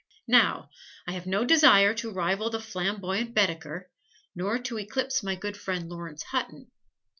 Now, I have no desire to rival the flamboyant Baedeker, nor to eclipse my good friend Laurence Hutton.